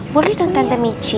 boleh dong tante michi